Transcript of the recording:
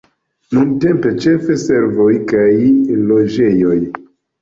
Nuntempe ĉefe servoj kaj loĝejoj.